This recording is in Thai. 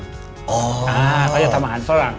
เขาจะทำอาหารฝรั่ง